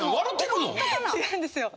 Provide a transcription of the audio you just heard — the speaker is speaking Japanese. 違うんですよ。